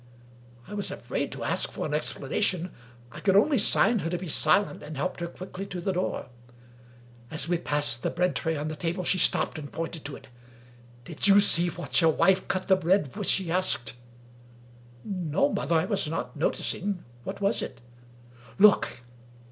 " I was afraid to ask for an explanation ; I could only sign her to be silent, and help her quickly to the door. As we passed the bread tray on the table, she stopped and pointed to it. " Did you see what your wife cut your bread with? " she asked. " No, mother; I was not noticing. What was it?" "Look!"